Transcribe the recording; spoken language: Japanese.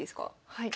はい。